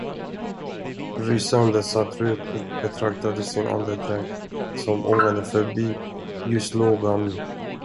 Rysande satt Rut och betraktade sin andedräkt, som ångade förbi ljuslågan.